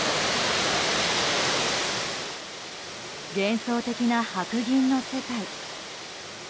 幻想的な白銀の世界。